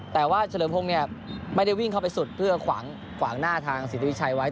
แต่ว่าเฉลิมพงศ์เนี่ยไม่ได้วิ่งเข้าไปสุดเพื่อขวางหน้าทางสิทธิวิชัยไว้